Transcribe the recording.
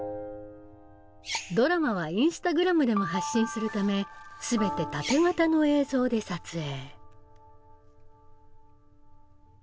ドラマはインスタグラムでも発信するため全てタテ型の映像で撮影。